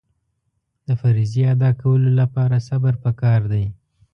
د فریضې ادا کولو لپاره صبر پکار دی.